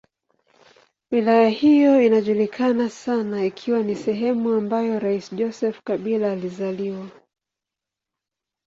Wilaya hiyo inajulikana sana ikiwa ni sehemu ambayo rais Joseph Kabila alizaliwa.